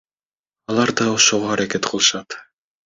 Алар да ошого аракет кылышат.